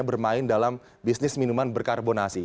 bermain dalam bisnis minuman berkarbonasi